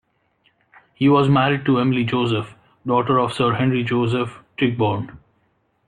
He was married to Emily Joseph, daughter of Sir Henry Joseph Tichborne.